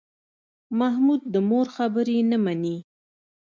محمود د مور خبرې نه مني.